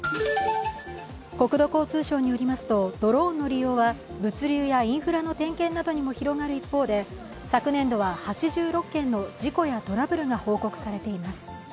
国土交通省によりますとドローンの利用は物流やインフラの点検などにも広がる一方で昨年度は８６件の事故やトラブルが報告されています。